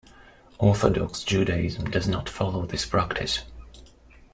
Orthodox Judaism does not follow this practice.